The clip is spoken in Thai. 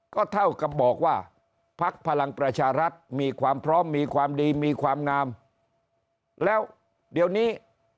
ก็เท่ากับบอกว่าพักพลังประชารัฐมีความพร้อมมีความดีมีความงามแล้วเดี๋ยวนี้